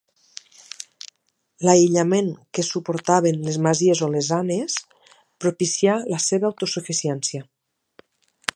L'aïllament que suportaven les masies olesanes propicià la seva autosuficiència.